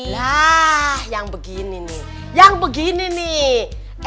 lah yang begini nih yang begini nih